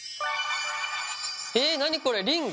え何これリング？